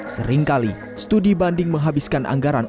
seringkali studi banding menghabiskan anggaran